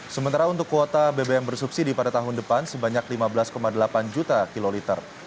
sementara untuk kuota bbm bersubsidi pada tahun depan sebanyak lima belas delapan juta kiloliter